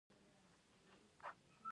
افغانستان په سمندر نه شتون باندې تکیه لري.